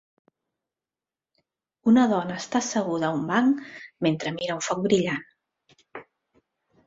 Una dona està asseguda a un banc mentre mira un foc brillant.